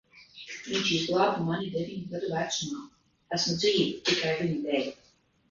Viņš izglāba mani deviņu gadu vecumā. Esmu dzīva tikai viņa dēļ.